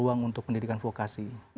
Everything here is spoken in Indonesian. ruang untuk pendidikan vokasi